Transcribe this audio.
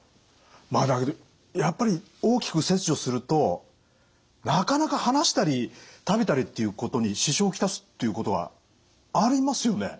だけどやっぱり大きく切除するとなかなか話したり食べたりっていうことに支障を来すっていうことはありますよね？